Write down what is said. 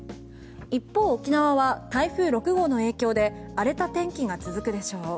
一方、沖縄は台風６号の影響で荒れた天気が続くでしょう。